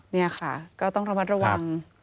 เนี่ยค่ะก็ต้องระวัง